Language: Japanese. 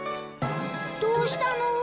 どうしたの？